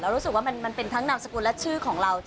รู้สึกว่ามันเป็นทั้งนามสกุลและชื่อของเรา